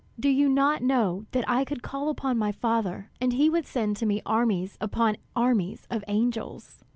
Do you not know that I could call upon my Father, and he would send to me armies upon armies of angels?"